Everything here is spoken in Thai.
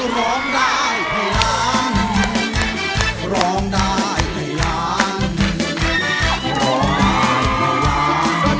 ร้องได้ให้ร้างร้องได้ให้ร้างร้องได้ให้ร้างร้องได้ให้ร้าง